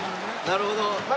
なるほど。